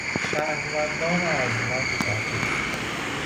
شهروندان ارجمند تبریز